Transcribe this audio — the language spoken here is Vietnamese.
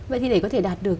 vậy thì để có thể đạt được